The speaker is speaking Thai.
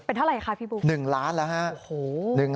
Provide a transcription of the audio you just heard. เป็นเท่าไหร่ค่ะพี่บุ๊ค